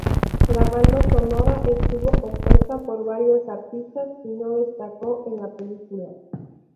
La banda sonora estuvo compuesta por varios artistas y no destacó en la película.